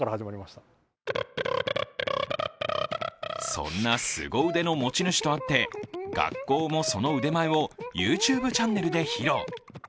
そんなすご腕の持ち主とあって学校もその腕前をＹｏｕＴｕｂｅチャンネルで披露。